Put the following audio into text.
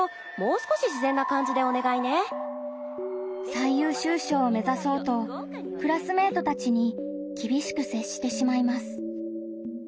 最優秀賞を目ざそうとクラスメートたちに厳しく接してしまいます。